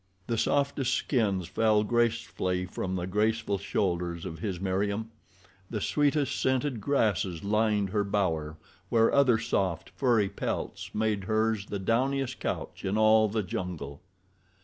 The softest skins fell gracefully from the graceful shoulders of his Meriem. The sweetest scented grasses lined her bower where other soft, furry pelts made hers the downiest couch in all the jungle.